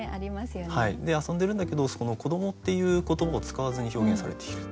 遊んでるんだけど「子ども」っていう言葉を使わずに表現されている。